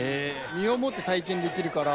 身を持って体験できるから。